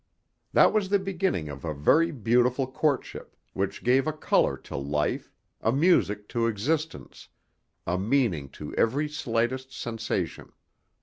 That was the beginning of a very beautiful courtship, which gave a colour to life, a music to existence, a meaning to every slightest sensation.